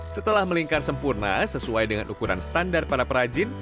setelah melingkar sempurna sesuai dengan ukuran standar para perajin